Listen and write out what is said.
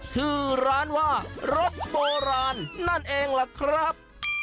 ชื่อร้านว่ารสโบราณนั่นเองล่ะครับ